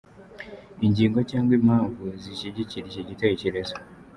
Ingingo cyangwa impamvu zishyigikira iki gitekerezo:.